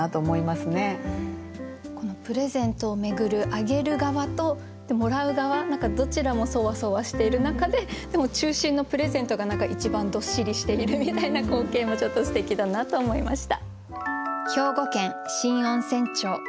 このプレゼントを巡るあげる側ともらう側どちらもそわそわしている中ででも中心のプレゼントが一番どっしりしているみたいな光景もちょっとすてきだなと思いました。